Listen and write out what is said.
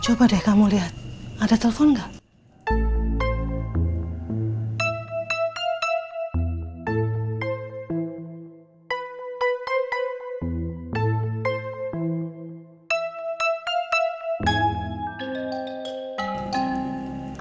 coba deh kamu lihat ada telpon nggak